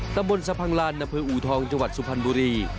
ตำบลสะพังลานอำเภออูทองจังหวัดสุพรรณบุรี